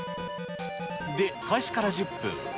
で、開始から１０分。